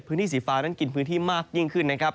พื้นที่สีฟ้านั้นกินพื้นที่มากยิ่งขึ้นนะครับ